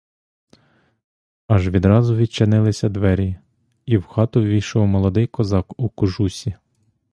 Аж відразу відчинилися двері — і в хату ввійшов молодий козак у кожусі.